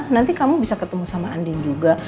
nanti kamu bisa ketemu sama andin juga